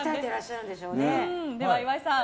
では岩井さん